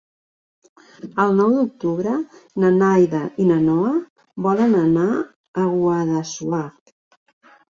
El nou d'octubre na Nàdia i na Noa volen anar a Guadassuar.